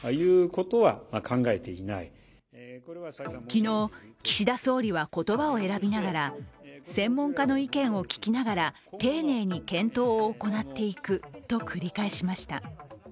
昨日、岸田総理は言葉を選びながら専門家の意見を聞きながら丁寧に検討を行っていくと繰り返しました。